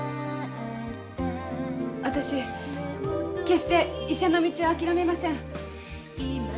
あたし決して医者の道を諦めません。